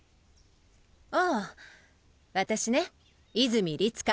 ああ私ね泉律佳。